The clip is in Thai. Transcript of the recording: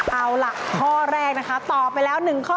เอาล่ะข้อแรกนะคะตอบไปแล้ว๑ข้อ